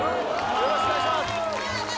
よろしくお願いします